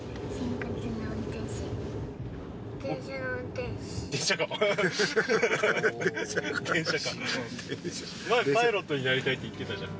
この前、パイロットになりたいって言ってたじゃん。